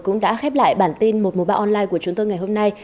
cũng đã khép lại bản tin một mùa ba online của chúng tôi ngày hôm nay